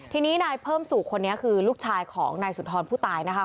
ทีนี้นายเพิ่มสุขคนนี้คือลูกชายของนายสุนทรผู้ตายนะคะ